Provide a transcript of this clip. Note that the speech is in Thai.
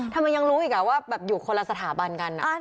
ทำไมยังรู้อีกว่าแบบอยู่คนละสถาบันกัน